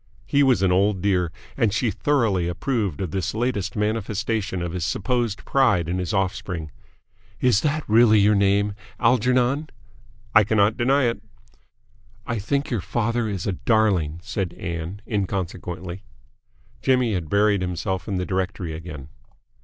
He was an old dear, and she thoroughly approved of this latest manifestation of his supposed pride in his offspring. "Is that really your name Algernon?" "I cannot deny it." "I think your father is a darling," said Ann inconsequently. Jimmy had buried himself in the directory again.